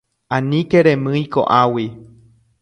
Aníke remýi ko'águi.